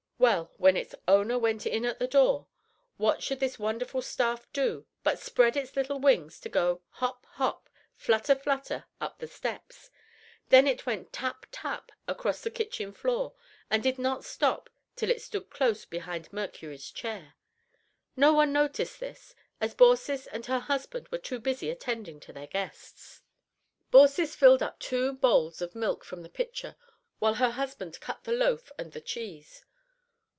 Well, when its owner went in at the door, what should this wonderful staff do but spread its little wings and go hop hop, flutter flutter up the steps; then it went tap tap across the kitchen floor and did not stop till it stood close behind Mercury's chair. No one noticed this, as Baucis and her husband were too busy attending to their guests. Baucis filled up two bowls of milk from the pitcher, while her husband cut the loaf and the cheese.